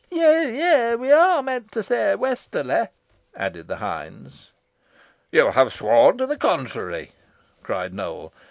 "Yeigh, yeigh, we aw meant to say 'yeasterly,'" added the hinds. "You have sworn the contrary," cried Nowell.